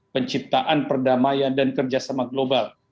penciptaan perdamaian dan kerjasama global